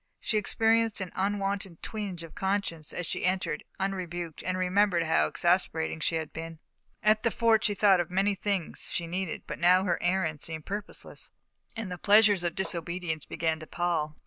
She experienced an unwonted twinge of conscience as she entered, unrebuked, and remembered how exasperating she had been. At the Fort she had thought of many things she needed, but now her errand seemed purposeless, and the pleasures of disobedience began to pall.